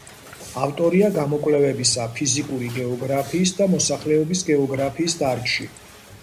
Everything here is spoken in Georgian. ავტორია გამოკვლევებისა ფიზიკური გეოგრაფიის და მოსახლეობის გეოგრაფიის დარგში.